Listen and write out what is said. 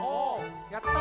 やった！